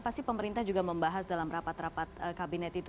pasti pemerintah juga membahas dalam rapat rapat kabinet itu